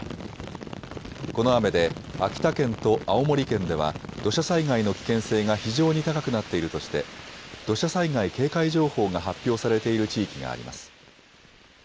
この雨で秋田県と青森県では土砂災害の危険性が非常に高くなっているとして土砂災害警戒情報が発表されている地域があります。